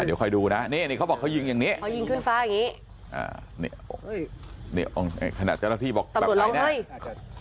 เดี๋ยวค่อยดูนะนี่เขาบอกเขายิงอย่างนี้ขนาดเจ้าแล้วพี่บอกตามไปนะ